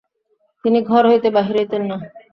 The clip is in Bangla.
তিনি ঘর হইতে বাহির হইতেন না।